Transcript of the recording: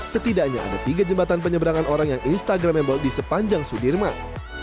setidaknya ada tiga jembatan penyeberangan orang yang instagramable di sepanjang sudirman